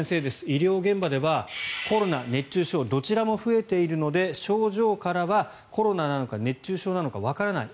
医療現場ではコロナ、熱中症どちらも増えているので症状からはコロナなのか熱中症なのかわからない。